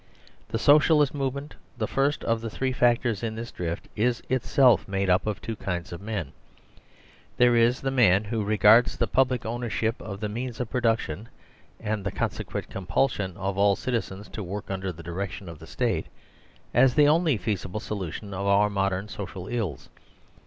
The Socialist movement, the first of the three fac tors in this drift, is itself made up of two kinds 121 THE SERVILE STATE of men : there is (a) the man who regards the public ownership of the means of production (and the con sequent compulsion of all citizens to work under the direction of the State) as the only feasible solution of our modern social ills.